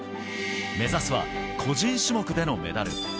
目指すは個人種目でのメダル。